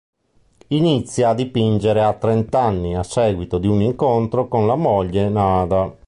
Inizia a dipingere a trent'anni, a seguito di un incontro con la moglie Nada.